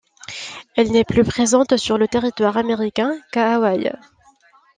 Elle n'est plus présente sur le territoire américain qu'à Hawaï.